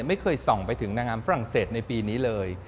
ไม่เคยส่องไปถึงนางงามฝรั่งเศสในปีนี้เลย